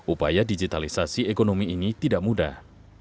upaya digitalisasi ekonomi ini tidak mudah